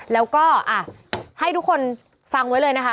แล้วก็ให้ทุกคนฟังไว้เลยนะคะ